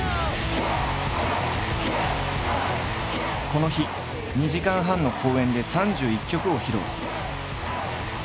この日２時間半の公演で３１曲を披露。